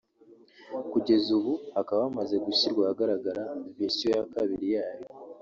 Kugeza ubu hakaba hamaze gushyirwa ahagaragara version ya kabiri yayo